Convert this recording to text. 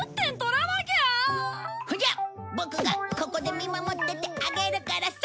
じゃあボクがここで見守っててあげるからさ。